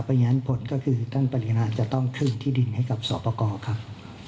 เพราะฉะนั้นผลก็คือท่านปริณาจะต้องขึ้นที่ดินให้กับสอบประกอบครับ